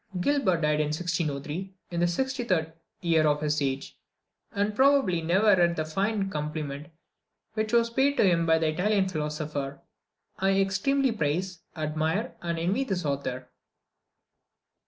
Gilbert died in 1603, in the 63d year of his age, and probably never read the fine compliment which was paid to him by the Italian philosopher "I extremely praise, admire, and envy this author."